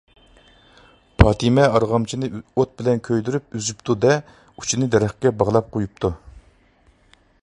پاتىمە ئارغامچىنى ئوت بىلەن كۆيدۈرۈپ ئۈزۈپتۇ-دە، ئۇچىنى دەرەخكە باغلاپ قويۇپتۇ.